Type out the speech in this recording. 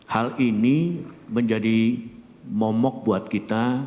hal ini menjadi momok buat kita